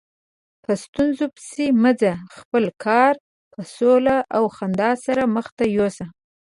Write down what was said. په ستونزو پسې مه ځه، خپل کار په سوله او خندا سره مخته یوسه.